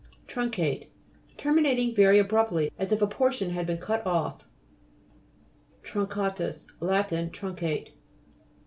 TRUNCATE Terminating very ab ruptly, as if a portion had been cut off. TRUNCA'TUS Lat. Truncate.